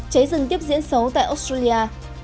cháy dừng tiếp diễn xấu tại australia